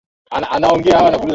Nakuhitaji hallelujah